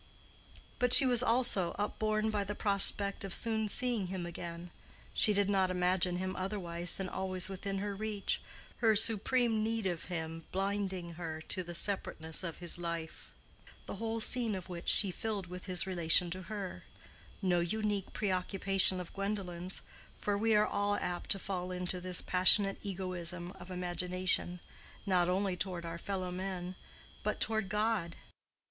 But she was also upborne by the prospect of soon seeing him again: she did not imagine him otherwise than always within her reach, her supreme need of him blinding her to the separateness of his life, the whole scene of which she filled with his relation to her—no unique preoccupation of Gwendolen's, for we are all apt to fall into this passionate egoism of imagination, not only toward our fellow men, but toward God.